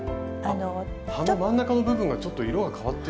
葉の真ん中の部分がちょっと色が変わっていますよね。